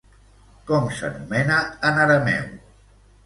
Com s'anomena en arameu?